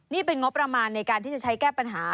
นี่เป็นงบประมาณในการที่จะใช้แก้ปัญหา